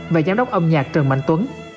và giám đốc âm nhạc trần mạnh tuấn